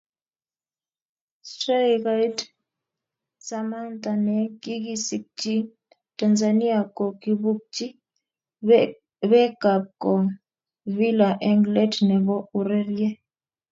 Straikait Samatta ne kikisikchin Tanzania ko kibukchi beekab kong Villa eng let nebo urerie.